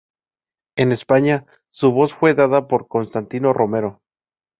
En España, su voz fue dada por Constantino Romero.